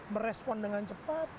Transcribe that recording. merespon dengan cepat